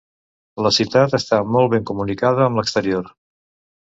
La ciutat està molt ben comunicada amb l'exterior.